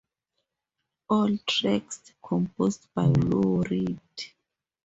All tracks composed by Lou Reed.